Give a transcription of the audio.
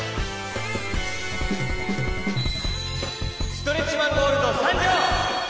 ストレッチマン・ゴールドさんじょう！